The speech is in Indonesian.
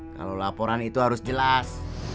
kalau laporan itu harus jelas